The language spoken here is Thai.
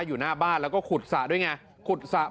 อยุ่หน้าบ้านและขุดสระปรูกพักอยุ่หลังบ้าน